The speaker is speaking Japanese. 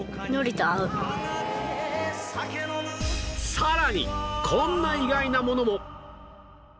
さらにこんな意外なものも